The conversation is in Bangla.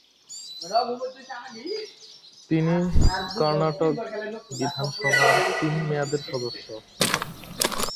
তিনি কর্ণাটক বিধানসভার তিন মেয়াদের সদস্য।